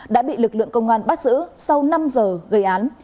đã bị lực lượng công an bắt giữ sau năm giờ gây án